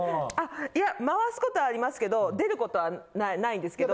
いや回すことはありますけど出ることはないんですけど。